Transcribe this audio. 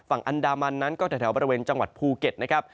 ฝั่งอันดามันนั้นก็แถวบริเวณจังหวัดภูเก็ตนะครับ